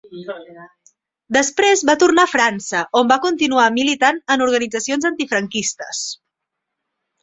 Després va tornar a França, on va continuar militant en organitzacions antifranquistes.